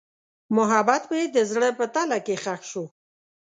محبت مې د زړه په تله کې ښخ شو.